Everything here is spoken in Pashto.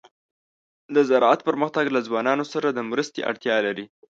د زراعت پرمختګ له ځوانانو سره د مرستې اړتیا لري.